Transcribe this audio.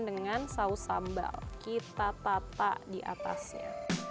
dengan saus sambal kita tata di atasnya